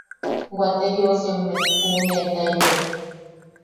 Waate jiosiammet juʼunetaitek.